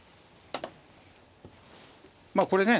まあこれね